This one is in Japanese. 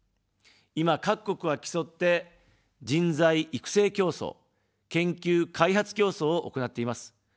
今、各国は競って人材育成競争・研究開発競争を行っています。